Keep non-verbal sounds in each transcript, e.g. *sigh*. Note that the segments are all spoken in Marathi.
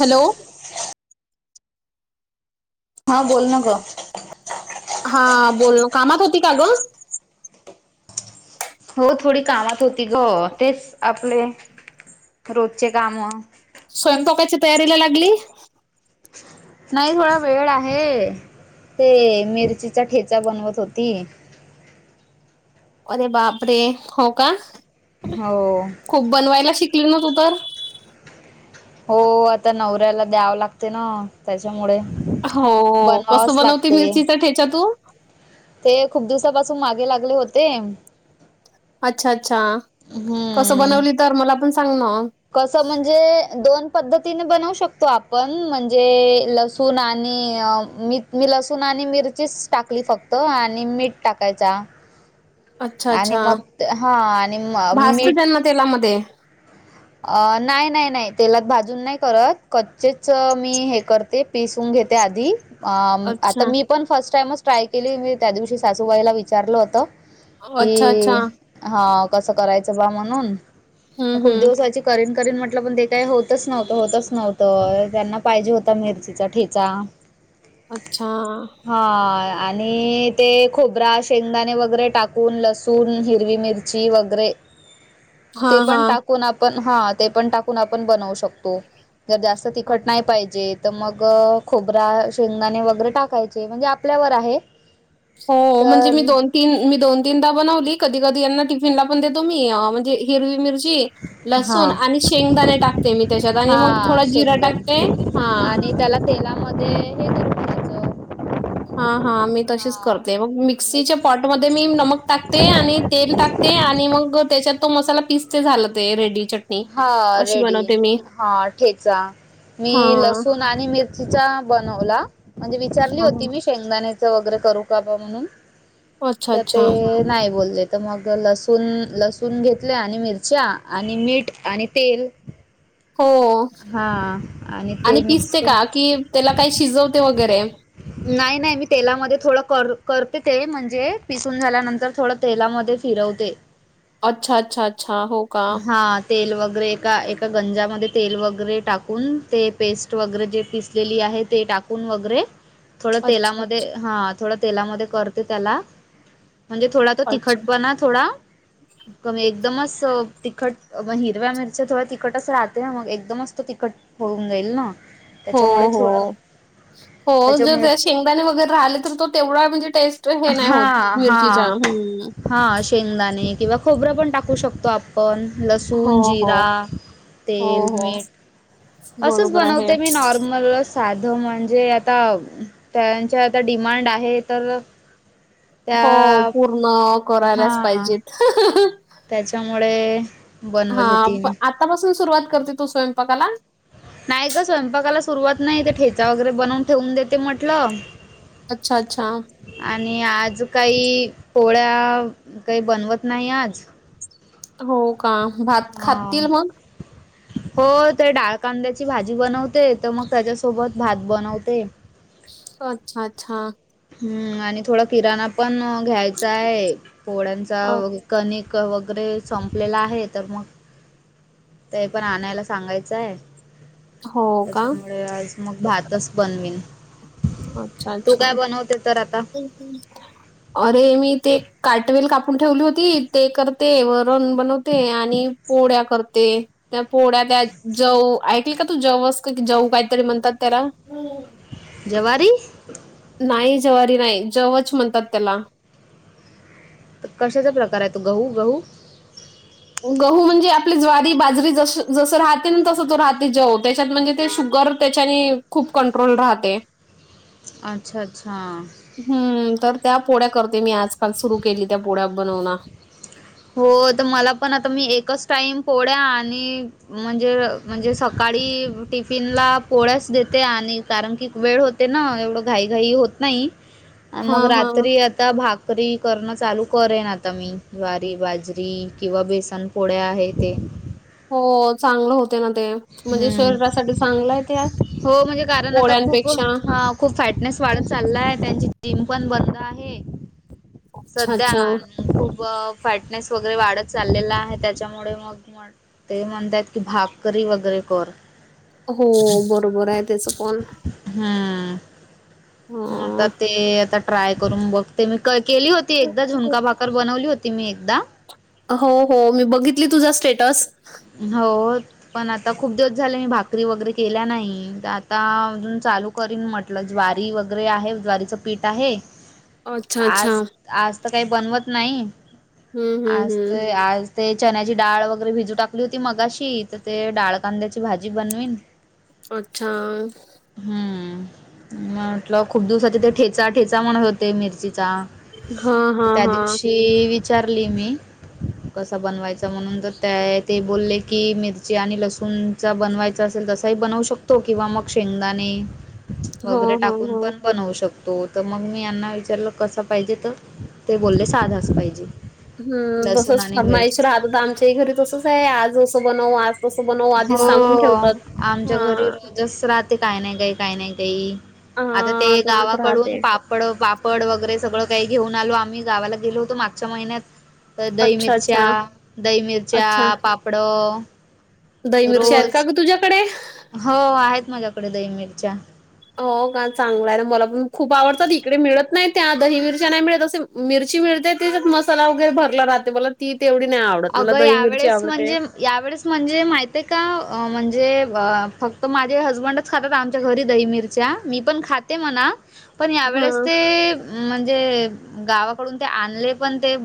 हॅलो? हा बोल ना ग. हा, बोल कामात होती का ग? हो, थोडी कामात होती ग, तेच आपले रोजची काम. स्वयंंतोकाच्या तयारीला लागली? नाही थोडा वेळ आहे, ते मिरचीचा ठेचा बनवत होती. अरे बापरे, हो का? हावो. खूप बनवायला शिकली ना, तू तर. हो, आता नवऱ्याला द्यावं लागते ना. त्याच्यामुळे हो कसं बनवावच बनवते लागतय. मिरचीचा ठेचा तू- ते खूप दिवसापासून मागे लागले होते. अच्छा, अच्छा, कसं हम्म बनवली तर, मला पण सांग ना? कसं म्हणजे, दोन पद्धतीने बनवू शकतो आपण, म्हणजे लस- सून आणि मी मी लसूण आणि मिरचीच टाकली फक्त आणि मीठ टाकायचा. अच्छा, आणि अच्छा. मग हा आणि भाजत मीठ *unintelligible* ते तेलामध्ये. अ.. नाही, नाही, नाही, तेलात भाजून नाही करत, कच्चेच मी हे करते- पिसून घेते आधी- अ... आता अच्छा मी पण फर्स्ट टाइमच ट्राय केली, मी त्या दिवशी सासूबाईला विचारलं होत. अच्छा अच्छा कि, हा कसं करायचं बा म्हणून, हम्म खुप हम्म दिवसा- च करेन, करीन म्हटलं, पण ते काय होतच नव्हतं, होतच नव्हतं, त्यांना पाहिजे होता मिरचीचा ठेचा. अच्छा. हा आणि ते खोबरा, शेंगदाणे, वगैरे टाकून लसूण, हिरवी मिरची- ची वैगरे- *inaudible* ते पण हा टाकून आपण, हा ते पण टाकून आपण बनवू शकतो. जर जास्त तिखट नाही पाहिजे. तर मग खोबरा, शेंगदाणे, वगैरे टाकायचे, म्हणजे आपल्यावर आहे. हो, म्हणजे मी तर दोन- तीन मी दोन, तीनदा बनवली. कधी, कधी यांना टिफिन ला पण देतो मी, म्हणजे हिरवी मिरची- लसूण हां आणि शेंगदाणे टाकते मी त्याच्यात आणि मग हां थोडा जिरा टाकते- शेंगदाणे हां. आणि त्याला तेलामध्ये हे - हा हा मी तशीच हां करते. मग मिक्सीच्या मिक्स पॉटमध्येध्ये मी नमक टाकते. आणि तेल टाकते. ते आणि मग त्याच्यात तो मसाला पिसते झाला ते रेडी चट्ट हा रेडी हा ठेचा मी हां, हां. लसूण आणि मिरचीचा बनवला. म्हणजे विचारली हां. होती मी शेंगदाणेच वगैरे करू का बा म्हणून. अच्छा, तर अच्छा. ते नाही बोलले. तर मग लसूण लसूण घेतले. आणि मिरच्या आणि मीठ आणि तेल हो हा आणि ते मिक्स पिसते करून का? कि त्याला काही शिजवते वगैरे. नाही नाही मी तेलामध्ये थोड कर करते ते म्हणजे पिसून झाल्यानंतर थोड तेलामध्ये फिरवते. अच्छा अच्छा अच्छा हो का? हा तेल वगैरे एका एका गंजामध्ये तेल वगैरे टाकून ते पेस्ट वगैरे जे पिसलेली आहेत ते टाकून वगैरे थोड अच्छा, तेलामध्ये अच्छा, हा थोड तेलामध्ये करते त्याला. म्हणजे थोडा तो अच्छा. तिखटपणा थोडा कमी एकदमच तिखट मग हिरव्या मिरच्या थोड्या तिखटच राहते. मग एकदमच तो तिखट होऊन जाईल ना हो, त्याच्यामुळे थोड हो. हो जर शेंगदाणे वगैरे राहिले तर तो तेवढा म्हणजे टेस्ट म्हणजे हे नाही हा होत. हा मिर्चीचा हम्म हा शेंगदाणे किंवा खोबर पण टाकू शकतो आप पण हो, लसुन, हो. जीरा, हो, तेल, हो. मीट असच बरोबर आहे. बनवते मी नॉर मला साध म्हणजे आता त्यांच्या आता डिमांड आहे तर त्या हो पूर्ण करायलाच हा पाहिजेत. त्याच्यामुळे हा बनवत होती मी आतापासून सुरुवात करते तू स्वयंपाकाला. नाही ग स्वयंपाकाला सुरुवात नाही. ते ठेचा वगैरे बनवून ठेवून देते म्हटल. अच्छा अच्छा आणि आज काही पोळ्या काही बनवत नाही आज. हो का भात हा खातील मग? हो ते डाळकांद्याची भाजी बनवते, तर मग त्याच्यासोबत भात बनवते. हो अच्छा अच्छा हम्म आणि थोडा किराणा पण घ्यायचा आहे. पोळ्यांचा अ व कणिक वगैरे संपलेला आहे तर मग ते पण आणायला सांगायच आहे. हो का? त्याच्यामुळे आज मग भातच बनवीन. अच्छा, तू काय अच्छा. बनवते तर आता. *inaudible* अरे मी ते काटवेल कापून ठेवली होती. ते करते. वरण बनवते. आणि पोळ्या करते. पोळ्या त्या जऊ ऐकल का तू जवस का जऊ काहीतरी म्हणतात त्याला. ज्वारी नाही जवारी नाही. जवच म्हणतात त्याला. कशाचा प्रकार आहे तो. गहू गहू गहू म्हणजे आपली ज्वारी बाजरी ज जस राहते ना तस तो राहते तो जव. त्याच्यात म्हणजे ते शुगर तेच्यानी खूप कंट्रोल राहते. अच्छा अच्छा. हम्म! तर त्या पोड्या करते मी, आजकाल सुरू केली त्या पोड्या बनवण. हो, तर मला पण आता मी एकच टाईम पोड्या आणि म्हणजे म्हणजे सकाळी टिफिनला पोळ्याच देते, आणि कारण की वेळ हो ते ना, एवढं घाई घाई होत नाही. *inaudible* मग हा रात्री आता, भाकरी करणं चालू करेन आता मी, वा बाजरी किंवा बेसन पोड्या आहे ते हो, चांगलं होते ना ते, म्हणजे हम्म. शरीरासाठी चांगलं आहे ते हो, म्हणजे कारण आता खूप, पोळ्यांपेक्षा हा खूप फॅटनेस वाढत चाललाय, त्यांची जिम पण बंद आहे, अच्छा सध्या अच्छा खूप फॅटनेस वगैरे वाढत चाललेला आहे, त्याच्यामुळे मग ते म्हणतयात की, भाकरी वगैरे कर. हो, बरोबर आहे त्याच पण हम्म. आता ह ते आता ट्राय करून बघते, मी केली होती एकदा झूणका भाकर बनवली होती. ती मी एकदा हो हो, मी बघितली तुझा स्टेटस. हो पण आता खूप दिवस झाले, मी भाकरी वगैरे केल्या नाही, आता अजून चालू करीन म्हटलं, ज्वारी वगैरे आहे, ज्वारीचं पीठ आहे. *inaudible* अच्छा आज आज तर काही बनवत नाही, हम्म हम्म आज हम्म तर आज ते चण्याची डाळ वगैरे भिजू टाकली होती मगाशी, तर ते डाळ कांद्याची भाजी बनवीन. अच्छा! हम्म! म्हटलं खूप दिवसाचे ते ठेचा, ठेचा म्हणत होते मिरचीचा. हा हा त्या हा दिवशी विचारली मी, कस बनवायचा म्हणून तर त्या ते बोलले की, मिरची आणि लसूणचा बनवायचा असेल तसाही बनवू शकतो, किंवा मग शेंगदाणे हो वगैरे हो टाकून हो पण बनवू शकतो. तो, तर मग मी यांना विचारलं कसा पाहिजे तर, ते बोलले साधाच पाहिजे. हम्! लसूण तसच आणि फर्माईश मिरचीचा राहत होता, आमच्या घरी तसच आहे, आज असं बनव, आज तसं बनव आधीच हो, सांगून ठेवतात आमच्या हा घरी रोजच रात काय नाही काई, काय नाही काई, आता ते हा तसच गावाकडून राहते पा पापड वगैरे सगळं काही घेऊन आलो आम्ही, गावाला गेलो होतो मागच्या महिन्यात तर दही अच्छा मिरच्या, अच्छा दही मिरच्या, अच्छा पापड दही मिरच्या आहेत का रोज ग तुझ्याकडे? हो, आहेत माझ्याकडे दही मिरच्या. हो का, चांगला आहे ना, मला पण खूप आवडतात, इकडे मिळत नाही त्या, दही मीरच्या नाही मिळत असे मिरची मिळते, तेझात मसाला वगैरे भरला राहते, मला ती तेवी नाही आवडत, मला अगं दही मिरची यावेळेस आवडते. म्हणजे यावेळेस म्हणजे माहित आहे का, म्हणजे फक्त माझे हजबंड खातात आमच्या घरी दही मिरच्या, मी पण खाते म्हणा, पण हा यावेेळेस ते म्हणजे गावाकडून ते आणले पण, ते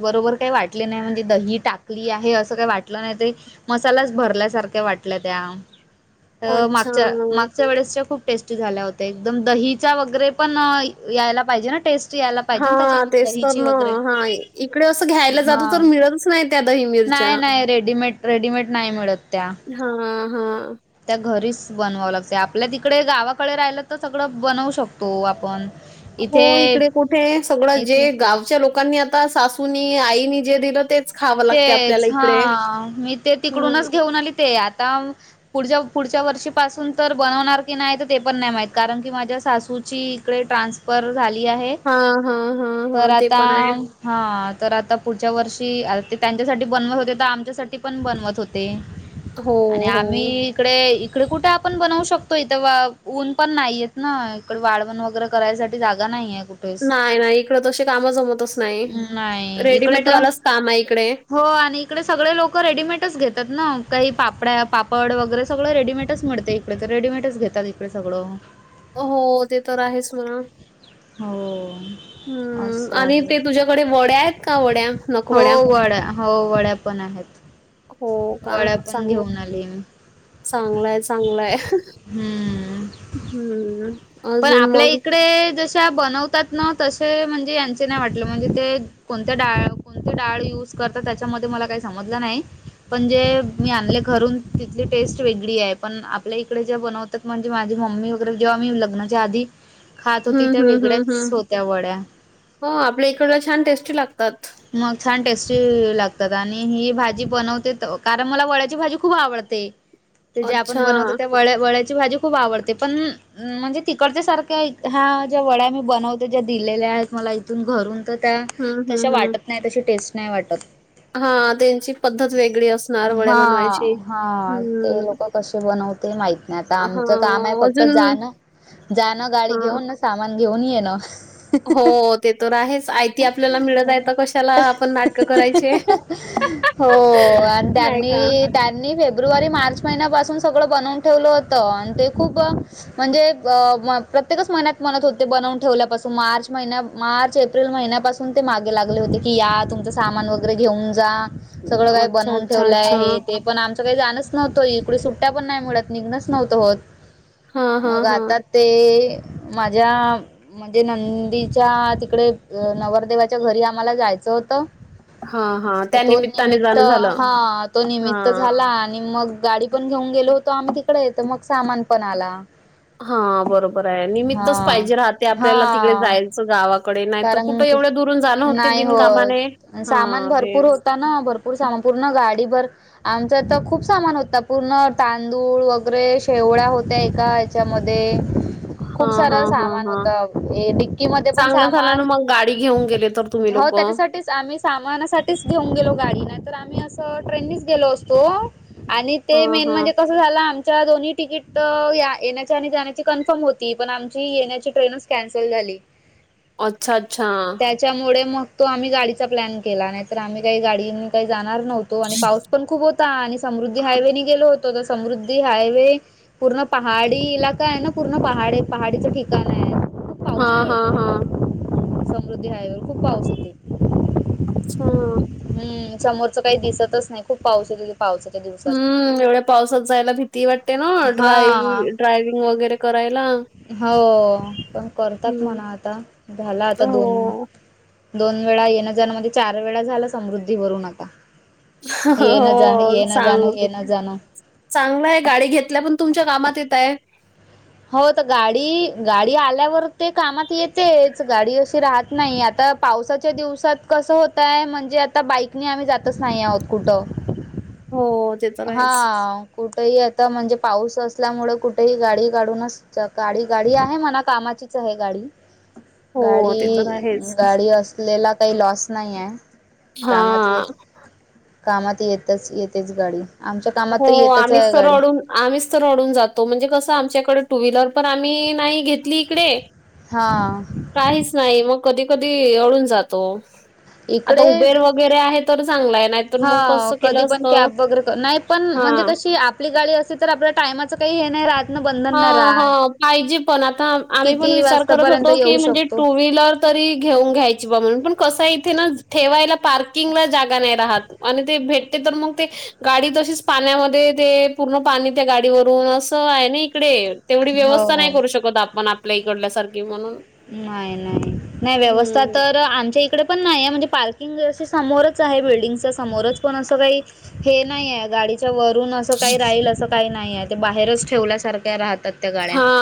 बरोबर काही वाटले नाही म्हणजे दही टाकली आहे असं काही वाटलं नाही, ते मसालाच भरल्यासारख्या वाटल्या त्या. अ अच्छा मागच्या -माग वेळेसच्या खूप टेस्टी झाल्या होत्या एकदम दहीच्या वगैरे पण यायला पाहिजे ना टेस्ट. यायला हा पाहिजे त्याच्यामध्ये तेच तर दहीची ना वगैरे हा. च नाही त्या दहीणी. नाय नाय रेडीमेड -रेडीमेड नाही मिळत त्या. हा हा. त्या घरीच बनवावं लागते आपल्या तिकडे गावाकडे राहिलं तर सगळं बनवू शकतो आपण. हो इथे इकडे कुठे सगळं इथे जे गावच्या लोकांनी, आता सासूनी, आईनी जे दिलं ते तेच हा मी ते हं. तिकडूनच घेऊन आली ते आता. पुढच्या -पुढच्या वर्षीपासून तर बनवणार की नाही तर ते पण नाही माहित कारण की माझ्या सासूची इकडे ट्रान्सफर झाली आहे हां, हां, हां, तर हां. ते आता पण आहे. हा तर आता पुढच्या वर्षी ते त्यांच्यासाठी बनवत होते तर आमच्यासाठी पण बनवत होते हो, आणि आम्ही हो. इकडे इकडं कुठे आपण बनवू शकतो इथं ऊन पण नाहीयेत ना इकडे वाळवण वगैरे करायसाठी जागा नाहीे कुठ नाही नाही इकडं तशी काम जमतच नाही, नाही इकडे तर रेडीमेडवालाच काम आहे इकडे. हो आणि इकडे सगळे लोक रेडीमेडच घेतात ना काही पापड्या -पापड वगैरे सगळं रेडीमेडच मिळते इकडं ‌ इडे तर रेडडीमेडच घेतात इकडे सगळं. हो ते तर आहेच म्हणा. हो. हम्म असं आणि आहे ते तुझ्याकडे वड्या आहेत का वड्या हो नकवड्या? वड्या हो वड्या पण हो आहेत वड्या पण घेऊन आली मी. चांगलंय चांगलंय हम्म हम्म. पण आपल्या इकडे जशा बनव तात ना तसे म्हणजे यांचे नाही वाटलं म्हणजे ते कोणते डाळ कोणते डाळ यूज करता त्याच्यामध्ये मला काही समजलं नाही. पण जे मी आणले घरून तिथली टेस्ट वेगळी आहे. पण आपल्या इकडे ज्या बन म्हणजे माझी मम्मी वगैरे जेव्हा मी लग् ज्या आधी खात होती हं, त्या हं, हं, वेगळ्याच हं. होत्या वड्या. हो आपल्या इकडला छान टेस्टी लागतात. मग छान टेस्टी लागतात आणि ही भाजी बनवते कारण मला वळ्याची भाजी खूप आवडते. *unintelligible* ते जे आपण बनवतो त्या वळ्या वळ्याची भाजी खूप आवडते पण म्हणजे तिकडच्या सारख्या ह्या ज्या वड्या मी बनवते ज्या दिलेल्या आहेत मला इथून घरून तर त्या हं, हं, तशा वाटत नाही तशी टेस्ट नाही वाटत. हा त्यांची पद्धत वेगळी असणार वड्या हा बनवायची. हम्म! क बनवते माहित नाही आता आमचं काम आहे फक्त अजून जाणं जाणं गाडी हां. घेऊन सामान घेऊन येन. हो ते तर आहेच आयती आपल्याला मिळत आहे कशाला आपण नाटक करायचे. हो आणि नाही का? त्यांनी त्या मी फेब्रुवारी मार्च महिन्यापासून सगळं बनवून ठेवलं होतं आणि ते खूप म्हणजे ब म-प्रत्येकच महिन्यात म्हनत होते बनवून ठेवल्यापासून मार्च महिन मार्च एप्रिल महिन्यापासून ते मागे लागले होते की या तुमचं सामान वगैरे घेऊन जा. सगळं काय अच्छा, बनवून अच्छा, ठेवलं अच्छा. आहे ते, पण आमचं काही जाणच नव्हतं इकडे सुट्ट्या पण नाही मिणत निघणंच नव्हतं होत. हां, हां, मग हां. आता ते माझ्या म्हणजे, नंदीच्या तिकडे नवरदेवाच्या घरी आम्हाला जायचं होतं. हां, हां. तर त्या तो निमित्ताने निमित्त, जाणं झालं. हा, तो निमित्त हां. झाला, आणि मग गाडी पण घेऊन गेलो होतो आम्ही तिकडे, तर मग सामान पण आला. हा, बरोबर आहे. हा निमित्तच पाहिजे राहते हा आपल्याला तिकडे, जायचं गावा कडे, नाही तर कारण कुठे की एवढ्या दुरून जाणं होते नाही बिनकामाने, हा तेच. हा ना भ पूर, संपूर्ण गाडी भर आमच तर खूप सामान होत, पूर्ण तांदूळ वगैरे, शेवळ्या होत्या एका हेच्यात त्याच्यामध्ये, खूप हां, सार हां, हां, सामान होत, डीक्की मध्ये पण झाला ना सामान मग, गाडी घेऊन गेले तर तुम्ही हो लोक त्याच्यासाठीच आम्ही सामानासाठीच घेऊन गेलो गाडी, नाही तर आम्ही असं ट्रेननीच गेलो असतो. आणि ते हां, मेन हां. म्हणजे कस त झालं आमच्या दोन्ही तिकीट, या येण्याची आणि जाण्याची कन्फर्म होती, पण आमची येण्याची ट्रेनच कॅन्सल झाली. अच्छा अच्छा! त्याच्यामुळे मग तो आम्ही गाडीचा प्लॅन केला, नाही तर आम्ही काही गाडी काही जाणार नव्हतो, आणि पाऊस पण खूप होता, आणि समृद्धी हायवेने गेलो होतो, तर समृद्धी हायवे पूर्ण पहाडीइला काय, पूर्ण पहाडे पहाडीचं ठिकाण आहे. खूप हा पाऊस हा पडते हा. तिथं समृद्धी हाईवेवर, खूप पा अच्छा! हम्म! समोरच काही दिसतच नाही, खूप पाऊस य पावसाच्या हम्म! एवढ्या पावसात जायला भीती वाटते ना, ड्राव हा ड्रायविंग वगैरे करायला. हो, पण करतात हं, म्हणा आता, झाला आता दोन हो. दोन वेळा येणं जाण, म्हणजे चार वेळा झाल समृद्धीवररून आता. येन जा हो, येन जाण, चांग येन जाण चांगलं हाय, गाडी घेतल्या पण तुमच्या कामात येतय. हो, तर गाडी गाडी आल्यावर ते कामात येतेच, गाडी अशी राहत नाही, आता पावसाच्या दिवसात कसं होतय, म्हणजे आता बाईकने आम्ही जातच नाही आहोत कुठं *inaudible* ते तर आहेच. हा, कुठेही आता म्हणजे, पाऊस असल्यामुळे कुठेही गाडी गाडूनच, गाडी गाडी आहे म्हणा, कामाचीच आहे गाडी. हो, ते गाडी तर आहेच. गाडी असलेला काही लॉस नाही हाय. कामात हां. येत कामात येतच येत तेच गाडी, आमच्या कामात हो, तर येतच आहे आम्हीच तर गाडी. रडून आम्हीच तर रडून जातो, म्हणजे कसं आमच्याकडे टू व्हीलर पण आम्ही नाही घेतली इकडे हा. काहीच नाही, मग कधी कधी *unintelligible* जातो, आता इकडे उबेर व वगैरे आहे तर, चांगलाय नाही हा, कधी पण कॅब वगैरे, नाही पण म्हणजे हां. कशी आप आपली गाडी असेल तर, आपल्या टायमाचं काही हे नाही राहत. ना बंधन नाही हा-हा राहत पाहिजे पण आता आम्ही पण किती विचार करत वाजतापर्यंत होतो की येऊ म्हणजे शकतो टू व्हीलर तरी घेऊन घ्यायची बा म्हनून पण कस इथे ना ठेवायला पार्किंगला जागा नाही राहत. आणि ते भेटते तर मग ते गाडी तशीच पाण्यामध्ये ते पूर्ण पाणी त्या गाडीवरून असं आहे नी इडे तेवढी व्यवस्था नाही हो करू शकत, आपण आपल्या इकडल्यासारखी म्हणून नाही-नाही-नाही व्यवस्था हं. तर आमच्या इकडे पण नाही आहे. म्हणजे पार्किंगशी समोरच आहे. बिल्डिंगच समोरच पण असं काही हे नाहीय गाडीच्या वरूनच अस काही राहील असं काही नाही आहे. ते बाहेरच ठेवल्यासारख्या राहतात त्या गाड्या. हां.